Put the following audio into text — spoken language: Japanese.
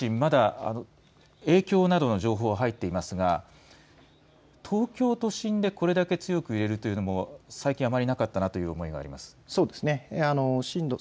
今回の地震、まだ影響などの情報は入っていますが東京都心でこれだけ強く揺れるというのも最近あまりなかったなという思いがあります。